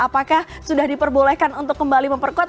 apakah sudah diperbolehkan untuk kembali memperkuat